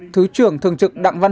thứ trưởng thường trực đặng văn